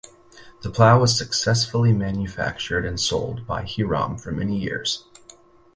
The plow was successfully manufactured and sold by Hiram for many years.